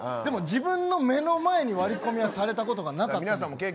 自分の目の前に割り込みはされたことがなかった。